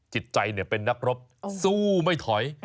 จิตใจเป็นนักรบสู้ไม่ถอย